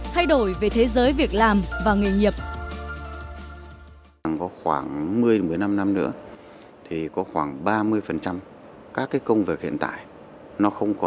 thay đổi về thế giới việc làm và nghề nghiệp